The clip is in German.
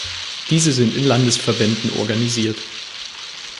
Diese sind in Landesverbänden organisiert.